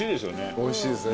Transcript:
おいしいですね。